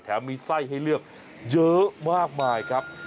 มีไส้ให้เลือกเยอะมากมายครับ